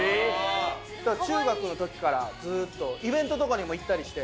だから中学の時からずっとイベントとかにも行ったりして。